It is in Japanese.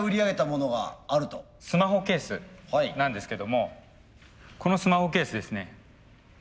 スマホケースなんですけどもこのスマホケースですね。